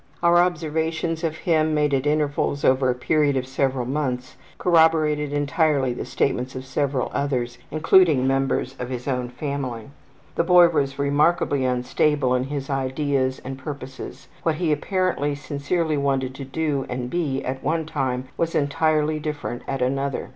Our observations of him made at intervals over a period of several months corroborated entirely the statements of several others, including members of his own family. The boy was remarkably unstable in his ideas and purposes. What he apparently sincerely wanted to do and be at one time was entirely different at another.